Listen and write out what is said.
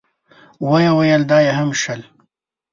ويې ويل: دا يې هم شل.